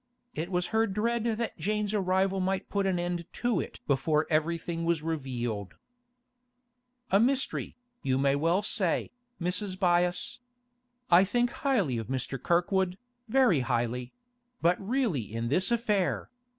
It was her dread that Jane's arrival might put an end to it before everything was revealed. 'A mystery, you may well say, Mrs. Byass. I think highly of Mr. Kirkwood, very highly; but really in this affair!